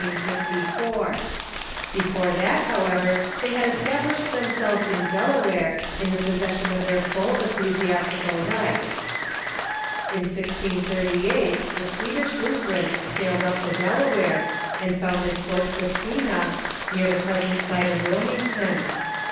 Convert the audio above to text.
Before that, however, they had established themselves in Delaware in the possession of their full ecclesiastical rights. In 1638 the Swedish Lutherans sailed up the Delaware, and founded Fort Christina, near the present site of Wilmington.